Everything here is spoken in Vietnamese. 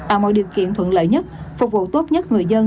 tạo mọi điều kiện thuận lợi nhất phục vụ tốt nhất người dân